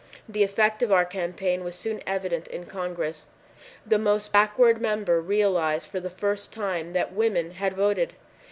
The effect of our campaign was soon evident in Congress. The most backward member realized for the first time that women had voted.